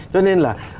cho nên là